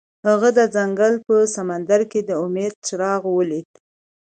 هغه د ځنګل په سمندر کې د امید څراغ ولید.